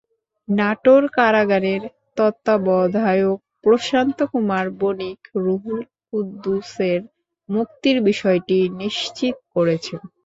নাটোর কারাগারের তত্ত্বাবধায়ক প্রশান্ত কুমার বণিক রুহুল কুদ্দুসের মুক্তির বিষয়টি নিশ্চিত করেছেন।